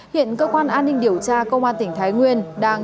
hiện cơ quan an ninh điều tra công an tỉnh thái nguyên đang